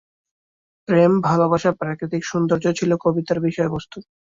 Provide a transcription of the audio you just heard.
প্রেম-ভালোবাসা, প্রাকৃতিক সৌন্দর্য ছিল কবিতার বিষয়বস্তু।